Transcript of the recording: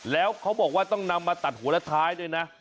แล้วเขาบอกว่าต้องนำมาตัดหัวและท้ายด้วยนะ